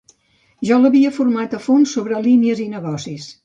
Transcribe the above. Jo l'havia format a fons sobre línies i negocis.